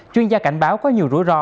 chuyên gia cảnh báo có nhiều rủi ro